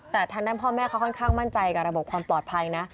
แต่ทางด้านพ่อแม่เขาค่อนข้างมั่นใจกับระบบความปลอดภัยนะ